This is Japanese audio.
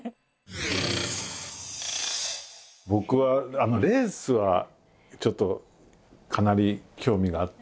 僕はレースはちょっとかなり興味があって。